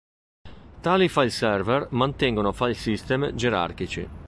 Tali file server mantengono file system gerarchici.